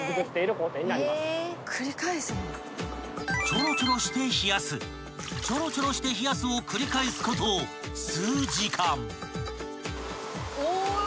［ちょろちょろして冷やすちょろちょろして冷やすを繰り返すこと数時間］